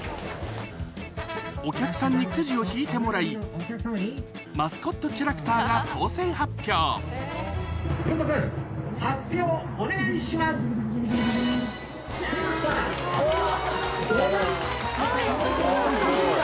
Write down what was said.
お客さんにくじを引いてもらいマスコットキャラクターが当選発表出ました！